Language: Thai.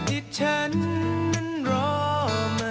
อันนี้ยังไม่เห็นโต๊ะเกรียวเลยอ่ะ